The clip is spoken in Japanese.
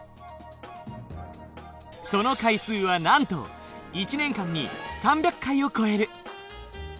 その回数はなんと１年間に３００回を超える！